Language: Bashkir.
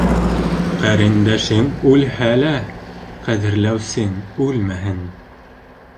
Ҡәрендәшең үлһә лә, ҡәҙерләүсең үлмәһен.